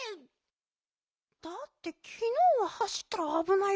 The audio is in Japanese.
だってきのうははしったらあぶないって。